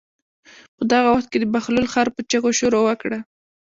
په دغه وخت کې د بهلول خر په چغو شروع وکړه.